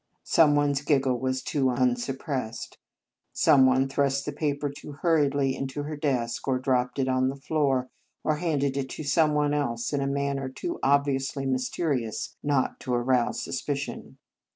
Some one s giggle was too unsuppressed. Some one thrust the paper too hurriedly into her desk, or dropped it on the floor, or handed it to some one else in a manner too obviously mysterious not to arouse suspicion.